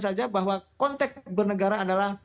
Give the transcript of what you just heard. saja bahwa konteks bernegara adalah